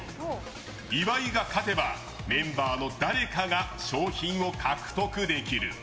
岩井が勝てば、メンバーの誰かが賞品を獲得できる。